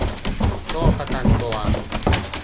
โรคประจำตัว